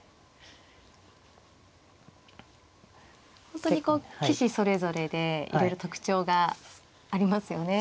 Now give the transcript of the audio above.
本当にこう棋士それぞれでいろいろ特徴がありますよね。